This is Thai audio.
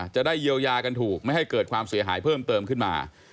จะได้เยียวยากันถูกไม่ให้เกิดความเสียหายเพิ่มเติมขึ้นมา